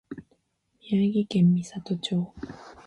宮城県美里町